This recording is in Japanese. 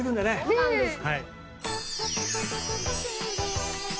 そうなんです。